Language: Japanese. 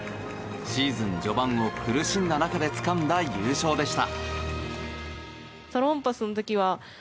シーズン序盤を苦しんだ中でつかんだ優勝でした。